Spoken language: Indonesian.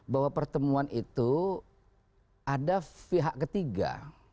bahwa pertemuan itu ada pihak ketiga